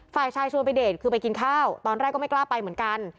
ฝ่ายชายชวนไปเดทคือไปกินข้าวตอนแรกก็ไม่กล้าไปเหมือนกัน